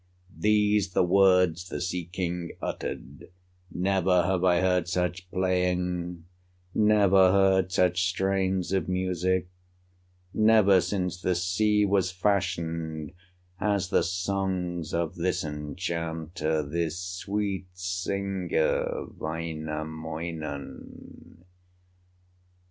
These the words the sea king uttered: "Never have I heard such playing, Never heard such strains of music, Never since the sea was fashioned, As the songs of this enchanter, This sweet singer, Wainamoinen."